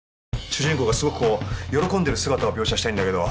主人公がすごくこう喜んでる姿を描写したいんだけど。